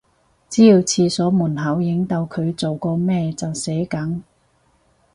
只要廁所門口影到佢做過咩就死梗